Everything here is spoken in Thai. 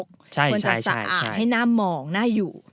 ควรจะสะอาดให้หน้ามองหน้าอยู่